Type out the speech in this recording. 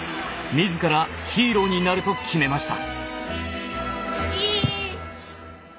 自らヒーローになると決めました。